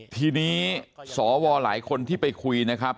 ทีนี้สวหลายคนที่ไปคุยนะครับ